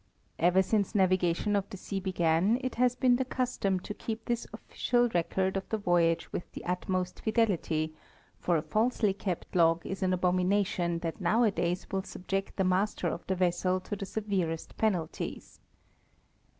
Ever since navigation of the sea began it has been the custom to keep this official record of the voyage with the utmost fidelity, for a falsely kept log is an abomination that nowadays will subject the master of the vessel to the severest penalties.